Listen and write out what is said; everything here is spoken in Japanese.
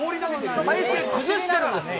体勢崩してるんですよ。